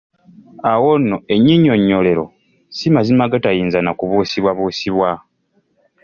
Awo nno ennyinyonnyolero si mazima agatayinza na kubuusibwabuusibwa.